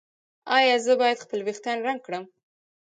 ایا زه باید خپل ویښتان رنګ کړم؟